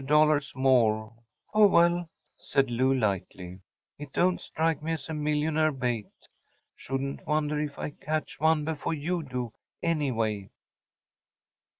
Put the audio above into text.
more.‚ÄĚ “Oh, well,‚ÄĚ said Lou lightly, “it don’t strike me as millionaire bait. Shouldn’t wonder if I catch one before you do, anyway.